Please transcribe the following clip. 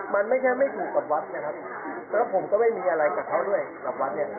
มันไม่ใช่ไม่ถูกกับวัดนะครับแล้วผมก็ไม่มีอะไรกับเขาด้วยกับวัดเนี่ย